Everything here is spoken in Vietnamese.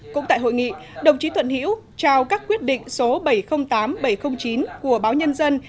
cũng tại hội nghị đồng chí thuận hiễu trao các quyết định số bảy trăm linh tám bảy trăm linh chín của báo nhân dân